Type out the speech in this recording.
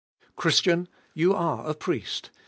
Christian, you are a priest!